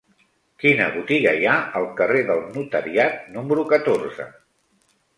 Quina botiga hi ha al carrer del Notariat número catorze?